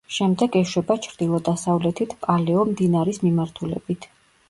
შემდეგ ეშვება ჩრდილო-დასავლეთით პალეო მდინარის მიმართულებით.